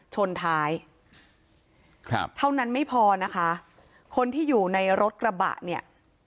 ชนท้ายครับเท่านั้นไม่พอนะคะคนที่อยู่ในรถกระบะเนี่ย